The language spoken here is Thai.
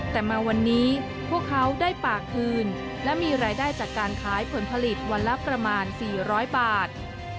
แต่มาวันนี้พวกเขาได้ป่าคืนและมีรายได้จากการขายผลผลิตวันละประมาณ๔๐๐บาท